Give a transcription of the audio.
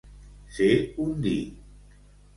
Ser un dir.